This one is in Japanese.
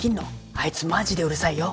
あいつマジでうるさいよ